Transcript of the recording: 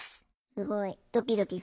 スゴいドキドキする。